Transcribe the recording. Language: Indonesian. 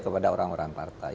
kepada orang orang partai